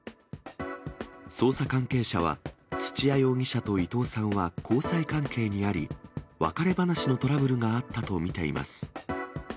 捜査関係者は、土屋容疑者と伊藤さんは交際関係にあり、別れ話のトラブルがあったと見ています。